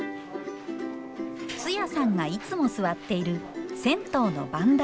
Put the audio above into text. ツヤさんがいつも座っている銭湯の番台。